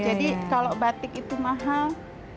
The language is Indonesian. jadi kalau batik itu mahal